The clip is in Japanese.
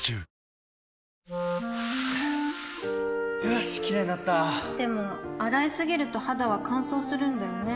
よしキレイになったでも、洗いすぎると肌は乾燥するんだよね